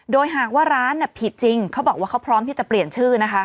โดยหากว่าร้านผิดจริงเขาบอกว่าเขาพร้อมที่จะเปลี่ยนชื่อนะคะ